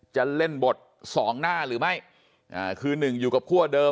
จะเล่นบทสองหน้าหรือไม่คือหนึ่งอยู่กับคั่วเดิม